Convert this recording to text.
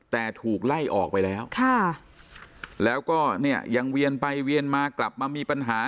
แต่ถูกไล่ออกไปแล้วค่ะแล้วก็เนี่ยยังเวียนไปเวียนมากลับมามีปัญหา